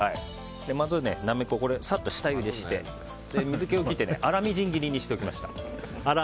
まず、ナメコをサッと下ゆでして水気を切って粗みじん切りにしておきました。